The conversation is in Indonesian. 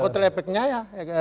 kotel efeknya ya